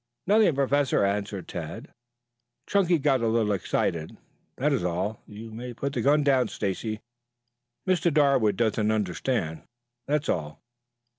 "Nothing, Professor," answered Tad. "Chunky got a little excited, that is all. You may put the gun down, Stacy. Mr. Darwood doesn't understand; that's all.